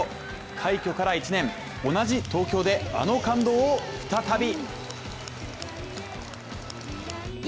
快挙から１年同じ東京で、あの感動を再び！